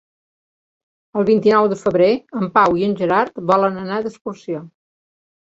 El vint-i-nou de febrer en Pau i en Gerard volen anar d'excursió.